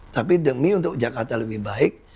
tapi demi untuk jakarta lebih baik